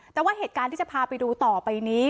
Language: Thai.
แต่ว่าเหตุการณ์ที่จะพาไปดูต่อไปนี้